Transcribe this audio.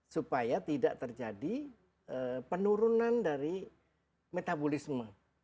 supaya tidak terjadi penurunan dari metabolisme